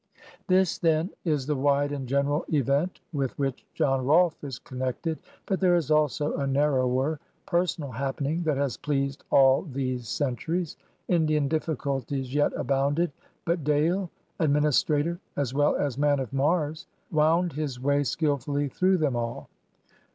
This then is the wide and general event with which John Rolf e is connected. But there is also a narrower, personal happening that has pleased all these centuries. Indian difBculties yet abounded, but Dale, administrator as well as man of Mars, wound his way skilfully through them all.